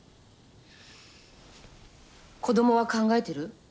子どもは考えてる？